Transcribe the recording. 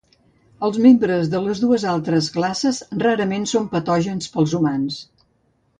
Els membres de les dues altres classes rarament són patògens pels humans.